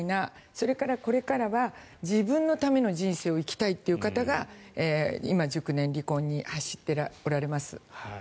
それからこれからは自分のための人生を生きたいという方が今、熟年離婚に走っておられます。